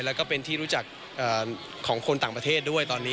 แล้วก็เป็นที่รู้จักของคนต่างประเทศด้วยตอนนี้